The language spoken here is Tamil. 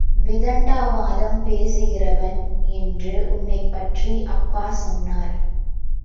விதண்டாவாதம் பேசுகிறவன் என்று உன்னைப்பற்றி அப்பா சொன்னார்.